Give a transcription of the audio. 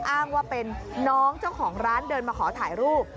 อ้างว่าเป็นน้องเจ้าของร้านเดินมาขอถ่ายรูป